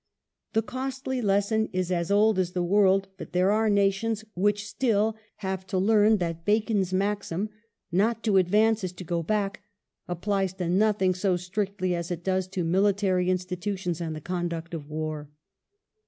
The costly lesson is as old as the world, but there are nations which still WELLINGTON have to learn that Bacon's maxim —" not to advance is to go back "— applies to nothing so strictly as it does to military institutions and the conduct of war.